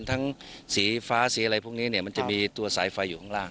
สีฟ้าสีอะไรพวกนี้เนี่ยมันจะมีตัวสายไฟอยู่ข้างล่าง